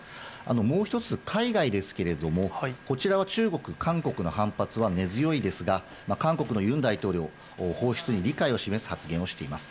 もう一つ、海外ですけれども、こちらは中国、韓国の反発は根強いですが、韓国のユン大統領、放出に理解を示す発言をしています。